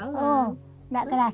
saya tidak kerasa